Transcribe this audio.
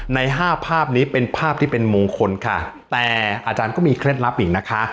ในห้าภาพนี้เป็นภาพที่เป็นมงคลค่ะแต่อาจารย์ก็มีเคล็ดลับอีกนะคะ